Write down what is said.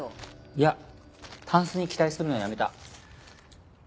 いやタンスに期待するのはやめた。